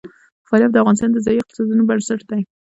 فاریاب د افغانستان د ځایي اقتصادونو بنسټ دی.